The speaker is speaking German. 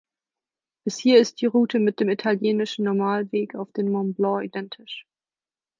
Bis hier ist die Route mit dem italienischen Normalweg auf den Mont Blanc identisch.